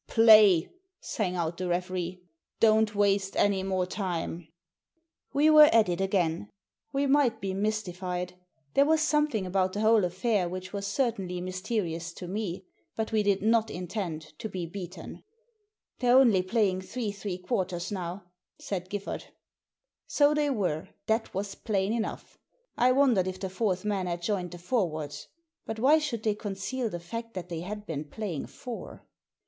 "Play!" sang out the referee. "Don't waste any more time." We were at it again. We might be mystified. There was something about the whole affair which was certainly mysterious to me. But we did not intend to be beaten. "They're only playing three three quarters now," said Giffard. So they were. That was plain enough. I wondered M Digitized by VjOOQIC l62 THE SEEN AND THE UNSEEN if the fourth man had joined the forwards. But why should they conceal the fact that they had been play ing four?